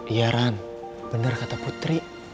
iya ran bener kata putri